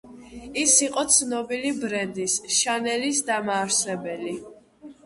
ის იყო ცნობილი ბრენდის, შანელის დამაარსებელი.